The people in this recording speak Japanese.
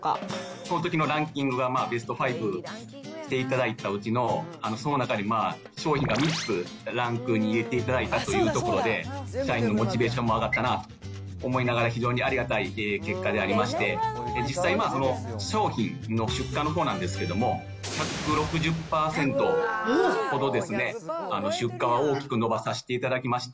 そのときのランキングがベスト５していただいたうちの、その中に商品が３つ、ランクに入れていただいたということで、社員のモチベーションも上がったなと思いながら、非常にありがたい結果でありまして、実際、今、商品の出荷のほうなんですけど、１６０％ほどですね、出荷は大きく伸ばさせていただきまして。